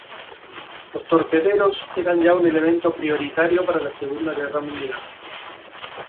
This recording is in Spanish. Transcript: Los torpederos eran ya un elemento prioritario para la Segunda Guerra Mundial.